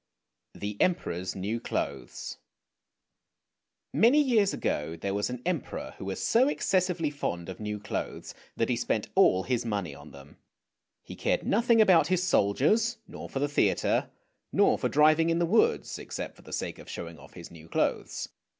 THE EMPEROR'S NEW CLOTHES MANY years ago there was an Emperor who was so exces sively fond of new clothes that he spent all his money on them. He cared nothing about his soldiers nor for the theatre, nor for driving in the woods except for the sake of showing off his new clothes.